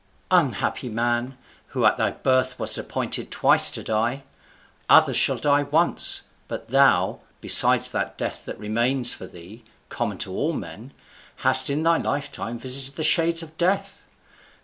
"Unhappy man, who at thy birth wast appointed twice to die! others shall die once; but thou, besides that death that remains for thee, common to all men, hast in thy lifetime visited the shades of death.